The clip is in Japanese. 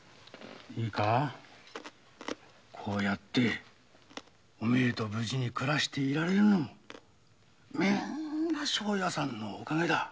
こうやってお前と無事に暮らしていられるのもみんな庄屋さんのお陰だ。